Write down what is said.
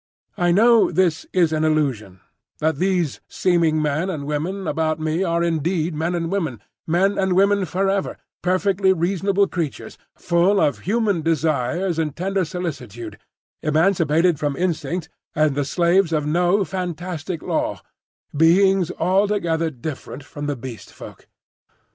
I know this is an illusion; that these seeming men and women about me are indeed men and women,—men and women for ever, perfectly reasonable creatures, full of human desires and tender solicitude, emancipated from instinct and the slaves of no fantastic Law,—beings altogether different from the Beast Folk.